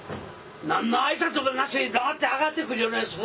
何の挨拶もなしに黙って上がってくるようなやつ